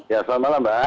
ya selamat malam pak